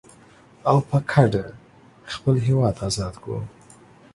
او په کډه خپل هيواد ازاد کړو.